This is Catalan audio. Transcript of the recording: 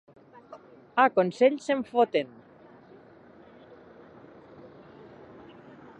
A Consell se'n foten.